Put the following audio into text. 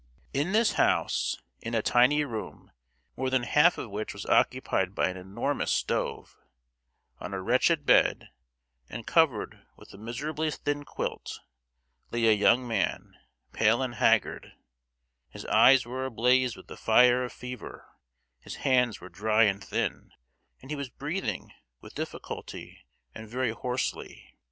In this house, in a tiny room, more than half of which was occupied by an enormous stove, on a wretched bed, and covered with a miserably thin quilt, lay a young man, pale and haggard: his eyes were ablaze with the fire of fever, his hands were dry and thin, and he was breathing with difficulty and very hoarsely.